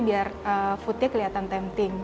biar fotonya kelihatan tempting